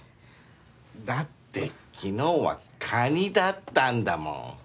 だって昨日はカニだったんだもん。